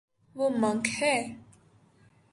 وہ مونک ہے